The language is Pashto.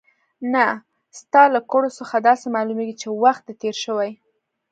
نه، ستا له کړو څخه داسې معلومېږي چې وخت دې تېر شوی.